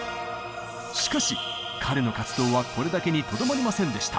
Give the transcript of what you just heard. しかし彼の活動はこれだけにとどまりませんでした。